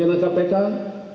dewan pengawas pimpinan kpk